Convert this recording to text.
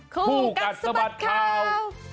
คู่กัดสะบัดข่าว